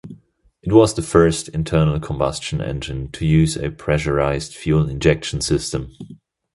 It was the first internal combustion engine to use a pressurised fuel injection system.